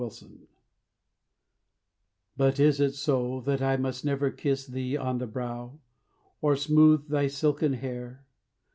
DENIAL But is it so that I must never kiss Thee on the brow, or smooth thy silken hair?